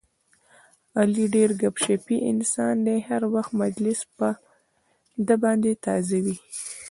علي ډېر ګپ شپي انسان دی، هر وخت مجلس په ده باندې تازه وي.